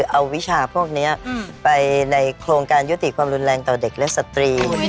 เอาวิชาพวกนี้ไปในโครงการยุติความรุนแรงต่อเด็กและสตรี